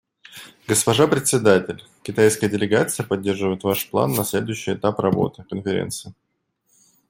Госпожа Председатель, китайская делегация поддерживает ваш план на следующий этап работы Конференции.